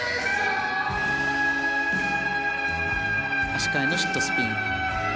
足換えのシットスピン。